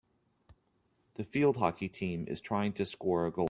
The field hockey team is trying to score a goal.